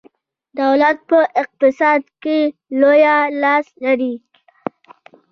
دولت په اقتصاد کې لوی لاس لري.